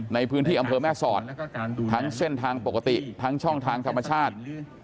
ในพื้นที่อำเภอแม่สอดทั้งเส้นทางปกติทั้งช่องทางธรรมชาติ